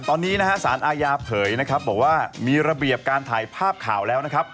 ตอนนี้นะฮะสารอาญาเผยนะครับบอกว่ามีระเบียบการถ่ายภาพข่าวแล้วนะครับ